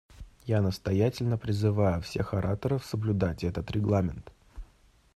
Я настоятельно призываю всех ораторов соблюдать этот регламент.